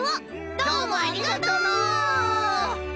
どうもありがとのう！